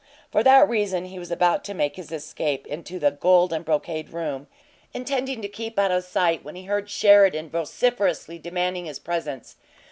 For that reason he was about to make his escape into the gold and brocade room, intending to keep out of sight, when he heard Sheridan vociferously demanding his presence.